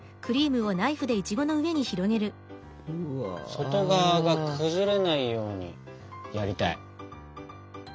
外側が崩れないようにやりたい。